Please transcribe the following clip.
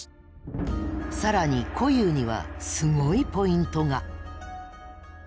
更に虎にはすごいポイントが。